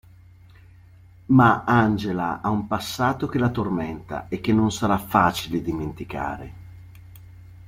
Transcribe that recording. Ma Angela ha un passato che la tormenta e che non sarà facile dimenticare.